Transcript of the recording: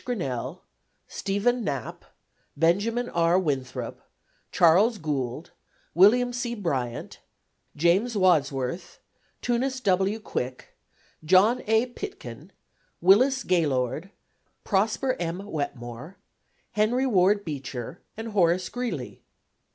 Grinnell, Stephen Knapp, Benjamin R. Winthrop, Charles Gould, Wm. C. Bryant, James Wadsworth, Tunis W. Quick, John A. Pitkin, Willis Gaylord, Prosper M. Wetmore, Henry Ward Beecher, and Horace Greeley.